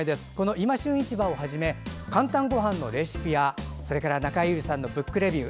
「いま旬市場」をはじめ「かんたんごはん」のレシピや中江有里さんの「ブックレビュー」